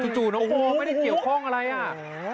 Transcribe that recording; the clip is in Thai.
จู่น้องโมไม่ได้เกี่ยวข้องอะไรอ่ะ